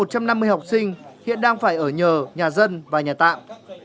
một trăm năm mươi học sinh hiện đang phải ở nhờ nhà dân và nhà tạm